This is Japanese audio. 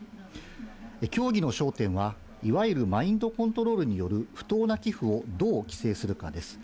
協議の焦点は、いわゆるマインドコントロールによる不当な寄付をどう規制するかです。